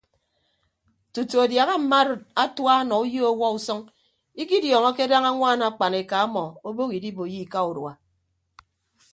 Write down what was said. Tutu adiaha mma arịd atua nọ uyo ọwuọ usʌñ ikidiọọñọke daña añwaan akpan eka ọmọ obooho idiboiyo ika urua.